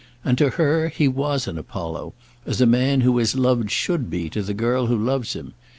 And to her he was an Apollo, as a man who is loved should be to the girl who loves him.